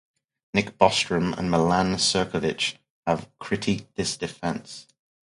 Nick Bostrom and Milan Cirkovic have critiqued this defense.